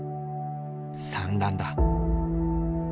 産卵だ。